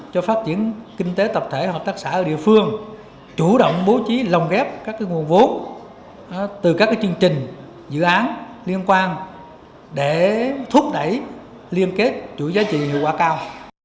cho phát triển kinh tế tập thể hợp tác xã ở địa phương chủ động bố trí lồng ghép các nguồn vốn từ các chương trình dự án liên quan để thúc đẩy liên kết chuỗi giá trị hiệu quả cao